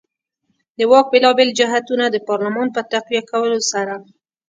د واک بېلابېل جهتونه د پارلمان په تقویه کولو سره.